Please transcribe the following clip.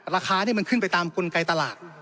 ราคานี่มันขึ้นไปตามกลไกตลาด